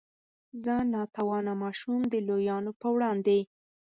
زه نا توانه ماشوم د لویانو په وړاندې.